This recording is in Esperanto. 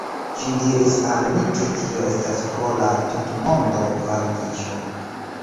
Ĝi diris al mi ke tio estas pro la tutmondo varmiĝo